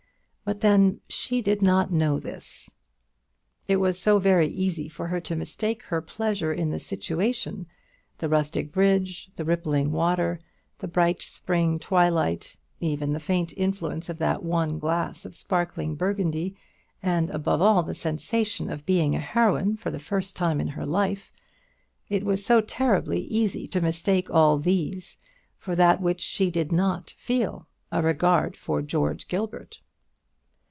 But then she did not know this. It was so very easy for her to mistake her pleasure in the "situation;" the rustic bridge, the rippling water, the bright spring twilight, even the faint influence of that one glass of sparkling Burgundy, and, above all, the sensation of being a heroine for the first time in her life it was so terribly easy to mistake all these for that which she did not feel, a regard for George Gilbert.